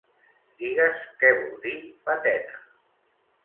Digues què vol dir patena.